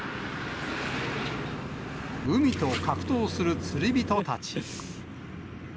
海と格闘する釣り人たち。